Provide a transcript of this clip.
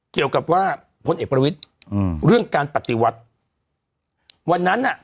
เกี่ยวกับว่าพลเอกประวิทย์อืมเรื่องการปฏิวัติวันนั้นอ่ะ